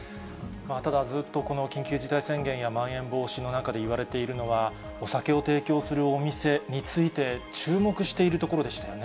ただ、ずっとこの緊急事態宣言や、まん延防止の中でいわれているのは、お酒を提供するお店について、注目しているところでしたね。